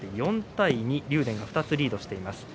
４対２、竜電が２つリードです。